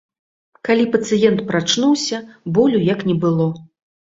Калі пацыент прачнуўся, болю як не было.